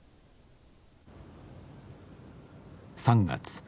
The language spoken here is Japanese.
３月。